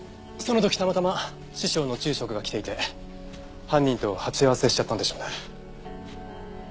その時たまたま師匠の住職が来ていて犯人と鉢合わせしちゃったんでしょうね。